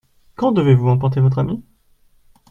Quand devez-vous emporter votre ami ?